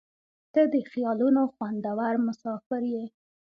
• ته د خیالونو خوندور مسافر یې.